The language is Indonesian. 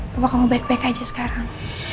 apa kamu baik baik aja sekarang